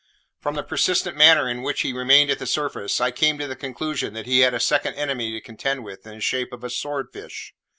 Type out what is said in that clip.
From the persistent manner in which he remained at the surface, I came to the conclusion that he had a second enemy to contend with in the shape of a sword fish.